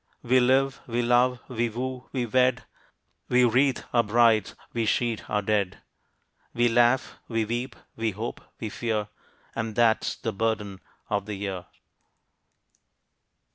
We live, we love, we woo, we wed, We wreathe our brides, we sheet our dead. We laugh, we weep, we hope, we fear, And that's the burden of the year.